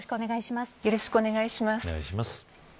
よろしくお願いします。